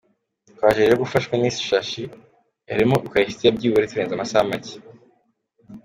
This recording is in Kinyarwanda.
Twaje rero gufashwa n’isashi yarimo Ukarisitiya, byibura iturenza amasaha make.